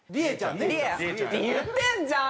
ねえ言ってんじゃん！